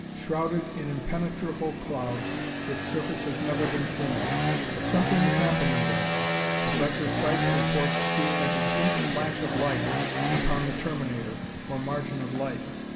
Shrouded in impenetrable clouds, its surface has never been seen, but something is happening there. Professor Sykes reports seeing a distinct flash of light upon the terminator, or margin of light.